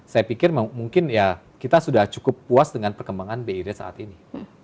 saya pikir mungkin ya kita sudah cukup puas dengan perkembangan bi rate saat ini